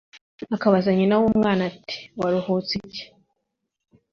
akabaza nyina w’umwana, ati «waruhutse iki ?»